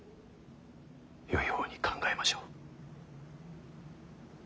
よい方に考えましょう。